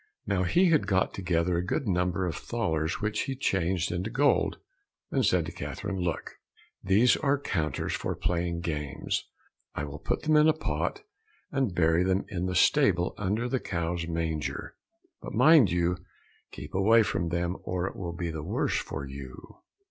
Now he had got together a good number of thalers which he changed into gold, and said to Catherine, "Look, these are counters for playing games; I will put them in a pot and bury them in the stable under the cow's manger, but mind you keep away from them, or it will be the worse for you."